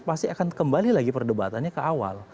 pasti akan kembali lagi perdebatannya ke awal